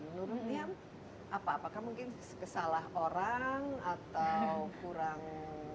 menurut tian apa apakah mungkin kesalah orang atau kurang